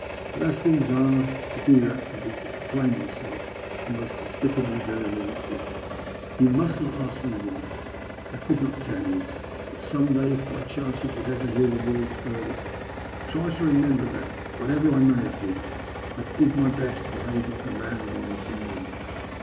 But, as things are, to do that would be to proclaim myself the most despicable villain in exist ence. You must not ask me why. I could not tell you. But some day, if by chance you should hear the world's verdict, try to remember that, whatever I may have been, I did my best to behave like a man of honour to you."